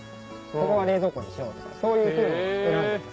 ここは冷蔵庫にしようとかそういうふうに選んでます。